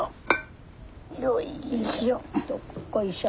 よいしょ。